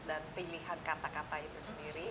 dan pilihan kata kata itu sendiri